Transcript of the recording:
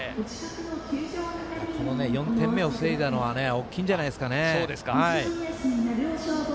４点目を防いだのは大きいんじゃないですかね。